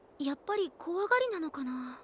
やっぱりこわがりなのかな。